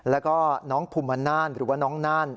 แล้วก็น้องภูมิมานานหรือว่าน้องน่าน